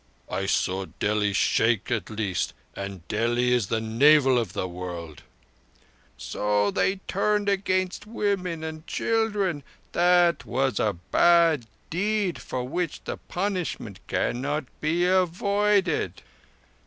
"Umph! I saw Delhi shake at least—and Delhi is the navel of the world." "So they turned against women and children? That was a bad deed, for which the punishment cannot be avoided."